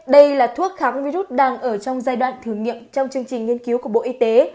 đây là thuốc kháng virus đang ở trong giai đoạn thử nghiệm trong chương trình nghiên cứu của bộ y tế